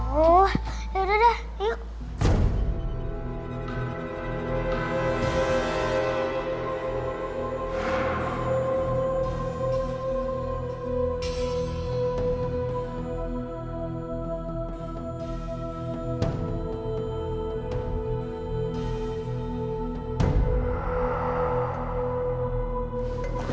tuh yudah yuk